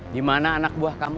di mana anak buah kamu